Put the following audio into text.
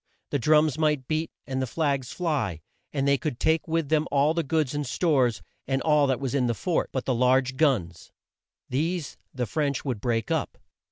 The drums might beat and the flags fly, and they could take with them all the goods and stores, and all that was in the fort but the large guns. These the French would break up.